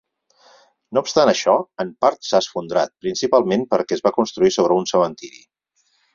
No obstant això, en part s'ha esfondrat, principalment perquè es va construir sobre un cementiri.